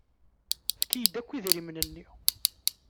Efk-iyi-d akk idrimen-nni.